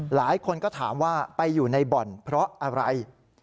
หลายคนก็ถามว่าไปอยู่ในบ่อนเพราะอะไร